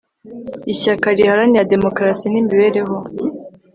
Ishyaka Riharanira Demokarasi n Imibereho